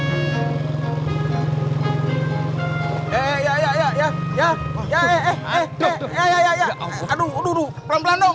eee ya ya ya ya ya ya ya ya ya ya ya ya ya aduh dulu pelan pelan dong